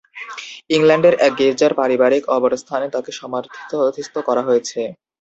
ইংল্যান্ডের এক গির্জার পারিবারিক কবরস্থানে তাকে সমাধিস্থ করা হয়েছে।